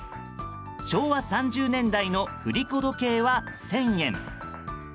昭和３０年代の振り子時計は１０００円。